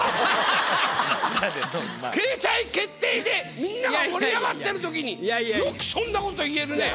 掲載決定でみんなが盛り上がってる時によくそんなこと言えるね。